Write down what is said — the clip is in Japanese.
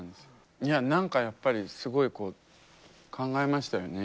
いや何かやっぱりすごいこう考えましたよね。